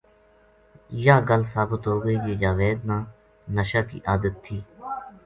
یاہ گل ثابت ہو گئی جے جاوید نا نشا کی عادت تھی